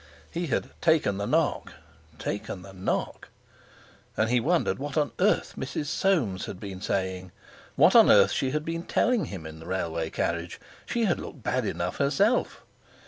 He had "taken the knock"—"taken the knock!" And he wondered what on earth Mrs. Soames had been saying, what on earth she had been telling him in the railway carriage. She had looked bad enough herself!